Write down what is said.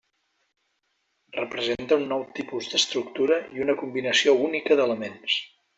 Representa un nou tipus d'estructura i una combinació única d'elements.